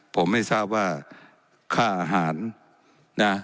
ผมไม่ทราบว่าค่าอาหารนะ